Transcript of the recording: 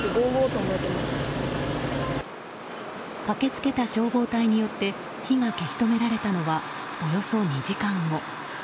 駆けつけた消防隊によって火が消し止められたのはおよそ２時間後。